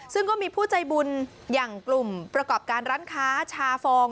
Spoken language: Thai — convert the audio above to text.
ซึ่งก็มีผู้ใจบุญอย่างกลุ่มประกอบการร้านค้าชาฟอง